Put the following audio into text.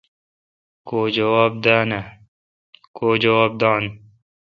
کو جواب داین۔